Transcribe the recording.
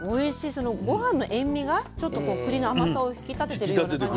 そのごはんの塩味がちょっとこうくりの甘さを引き立ててるような感じがして。